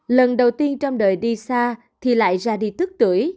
lần đầu tiên trong đời đi xa thì lại ra đi tức tuổi